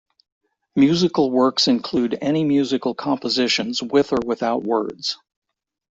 Musical works include any musical compositions with or without words.